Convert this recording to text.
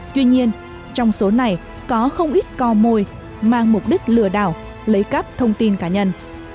tuy nhiên trong số này có không ít co mồi mang mục đích lừa đảo lấy cắp thông tin cá nhân